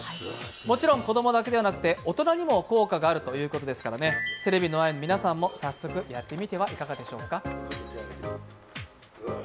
もちろん子供だけでなくて大人にも効果があるということですから、テレビの前の皆さんも早速やってみてはいかがでしょうか。